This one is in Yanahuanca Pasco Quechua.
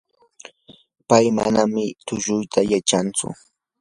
pay manam tushuyta yachantsu.